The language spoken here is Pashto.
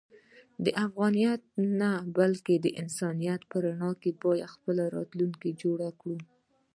د افغانیت نه بلکې د انسانیت په رڼا کې باید خپل راتلونکی جوړ کړو.